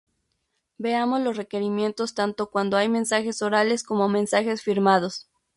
Veamos los requerimientos tanto cuando hay mensajes orales como mensajes firmados.